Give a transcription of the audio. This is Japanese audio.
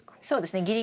そうですね。